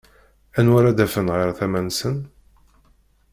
Nawa ara d-afen ɣer tama-nsen?